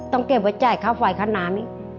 ต้องเก็บไว้จ้ายข้าวไฟขนาดนี้